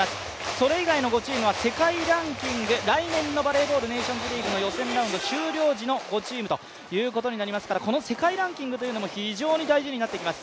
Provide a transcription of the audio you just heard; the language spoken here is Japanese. それ以外の５チームは世界ランキング、来年のバレーボールネーションズリーグの予選ラウンド終了時の５チームということになりますからこの世界ランキングというのも非常に大事になってきます。